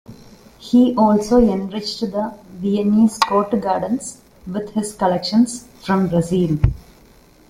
He also enriched the Viennese court gardens with his collections from Brazil.